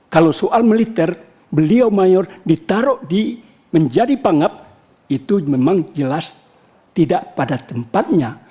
kalau soal militer beliau mayor ditaruh di menjadi pangap itu memang jelas tidak pada tempatnya